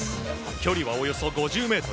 距離はおよそ５０ｍ。